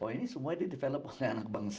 oh ini semua didevelop oleh anak bangsa